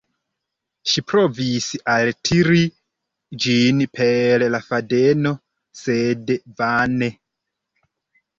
Ŝi provis altiri ĝin per la fadeno, sed vane.